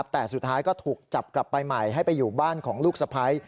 แต่สุดท้ายก็ถูกจับกลับไปใหม่ให้ไปอยู่บ้านของลูกสะพ้าย